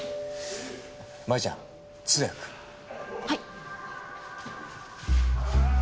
はい。